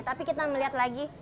tapi kita melihat lagi